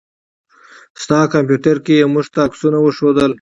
ستا کمپيوټر کې يې موږ ته عکسونه وښودله.